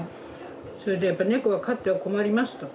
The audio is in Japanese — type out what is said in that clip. それでやっぱり猫は飼っては困りますと。